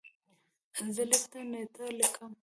زه لیک ته نېټه لیکم.